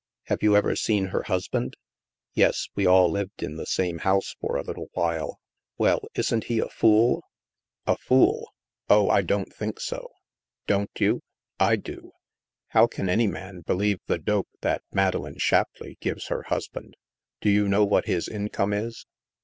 " Have you ever seen her husband ?"" Yes. We all lived in the same house for a Uttle while." "Well, isn't he a fool?" " A fool? Oh, I don't think so." " Don't you ? I do. How can any man believe the dope that Madeleine Shapleigh gives her hus band ? Do you know what his income is